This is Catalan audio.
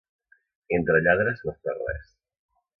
Entre lladres no es perd res.